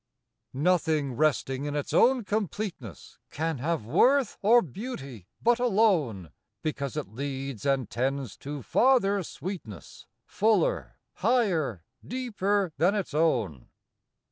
"VTOTHING resting in its own completeness Can have worth or beauty; but alone Because it leads and tends to farther sweetness, Fuller, higher, deeper than its own.